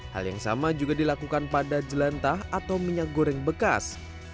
hal yang sama juga dilakukan pada jelantah atau minyak goreng bekas